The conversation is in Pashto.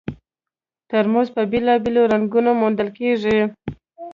ترموز په بېلابېلو رنګونو موندل کېږي.